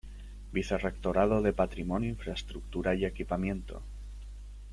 Vicerrectorado de Patrimonio, infraestructura y Equipamiento.